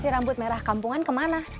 rambut merah kampungan kemana